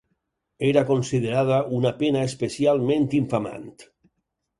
Era considerada una pena especialment infamant.